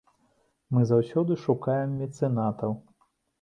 Мы заўсёды шукаем мецэнатаў.